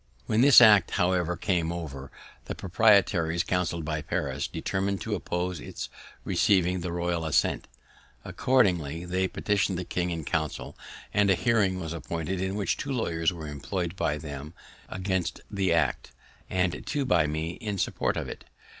When this act however came over, the proprietaries, counselled by Paris, determined to oppose its receiving the royal assent. Accordingly they petitioned the king in Council, and a hearing was appointed in which two lawyers were employ'd by them against the act, and two by me in support of it.